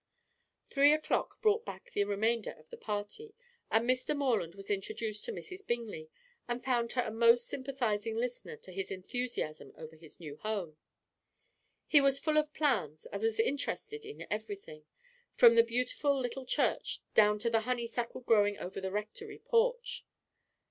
Three o'clock brought back the remainder of the party, and Mr. Morland was introduced to Mrs. Bingley, and found her a most sympathizing listener to his enthusiasm over his new home. He was full of plans, and was interested in everything, from the beautiful little church down to the honeysuckle growing over the Rectory porch.